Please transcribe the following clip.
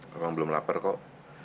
kok belum lapar kok